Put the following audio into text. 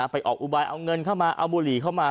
ออกอุบายเอาเงินเข้ามาเอาบุหรี่เข้ามา